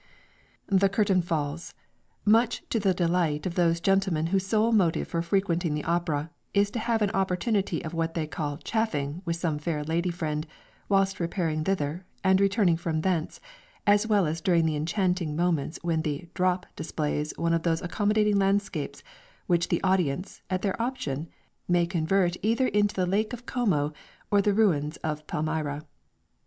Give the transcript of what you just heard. The curtain falls, much to the delight of those gentlemen whose sole motive for frequenting the opera, is to have an opportunity of what they term "chaffing" with some fair lady friend, whilst repairing thither, and returning from thence, as well as during the enchanting moments when the "drop" displays one of those accommodating landscapes, which the audience, at their option, may convert either into the lake of Como, or the ruins of Palmyra.